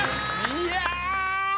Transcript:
いや！